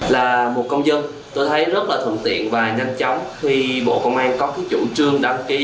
là một công dân tôi thấy rất là thuận tiện và nhanh chóng khi bộ công an có cái chủ trương đăng ký